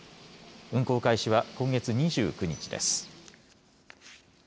運行開始は今月２９日です。